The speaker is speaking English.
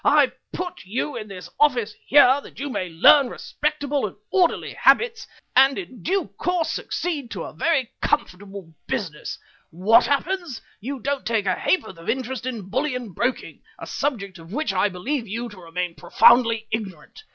"I put you in this office here that you may learn respectable and orderly habits and in due course succeed to a very comfortable business. What happens? You don't take a ha'porth of interest in bullion broking, a subject of which I believe you to remain profoundly ignorant.